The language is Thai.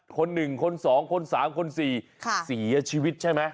คนหนึ่งคนสองคนสามคนสี่เสียชีวิตใช่ไหม